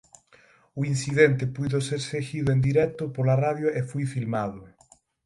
O incidente puido ser seguido en directo pola radio e foi filmado.